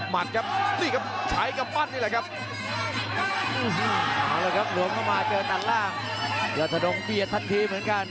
หลวงเข้ามาเจอดันล่างแล้วถนนกเบียดทันทีเหมือนกัน